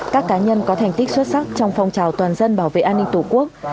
các cá nhân có thành tích xuất sắc trong phong trào toàn dân bảo vệ an ninh tổ quốc